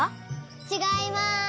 ちがいます。